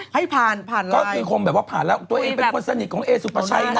ให้ผ่านผ่านก็คือคงแบบว่าผ่านแล้วตัวเองเป็นคนสนิทของเอสุปชัยนะ